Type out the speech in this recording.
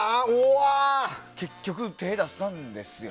結局、手を出したんですよ。